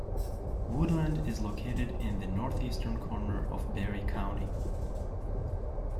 Woodland is located in the northeastern corner of Barry County.